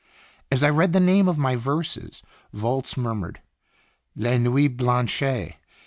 As I read the name of my verses, Volz mur mured: "LesNuits Blanches.